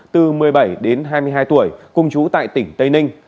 từ một mươi bảy đến hai mươi hai tuổi cùng chú tại tỉnh tây ninh